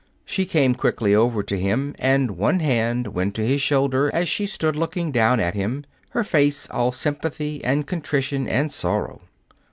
She came quickly over to him, and one hand went to his shoulder as she stood looking down at him, her face all sympathy and contrition and sorrow.